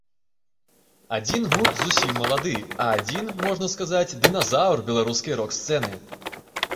Адзін гурт зусім малады, а адзін, можна сказаць, дыназаўр беларускай рок-сцэны.